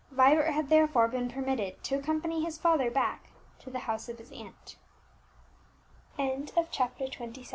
Vibert had therefore been permitted to accompany his father back to the house of his aunt. CHAPTER XXVIII.